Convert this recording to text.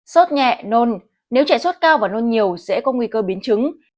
sốt nhẹ nôn nếu trẻ sốt cao và nôn nhiều sẽ có nguy cơ biến chứng